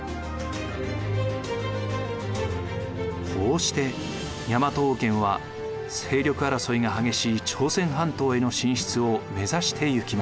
こうして大和王権は勢力争いが激しい朝鮮半島への進出を目指していきました。